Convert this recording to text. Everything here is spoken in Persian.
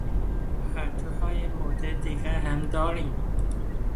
پالتوهای مدل دیگر هم داریم.